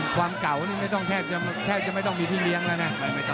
ความเก่านึงแทบจะไม่ต้องมีที่เลี้ยงนะ